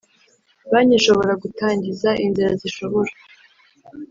Banki ishobora gutangiza inzira zishobora